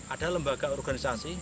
ada lembaga organisasi